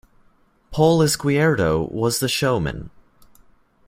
Pol Izquierdo was the showman.